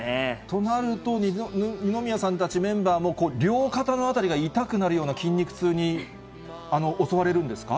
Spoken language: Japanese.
となると、二宮さんたちメンバーも、両肩の辺りが痛くなるような筋肉痛に襲われるんですか。